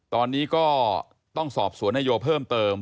ตอนนี้ก็ต้องสอบสวนนายโยเพิ่มเติม